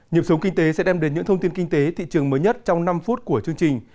nhiệm sống kinh tế sẽ đem đến những thông tin kinh tế thị trường mới nhất trong năm phút của chương trình